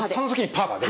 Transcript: パー！